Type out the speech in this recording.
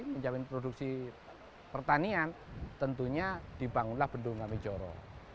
menjamin produksi pertanian tentunya dibangunlah bendung kamijoro